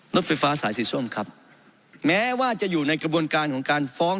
รถไฟฟ้าสายสีส้มครับแม้ว่าจะอยู่ในกระบวนการของการฟ้อง